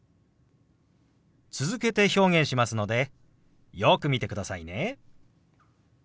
続けて表現しますのでよく見てくださいね。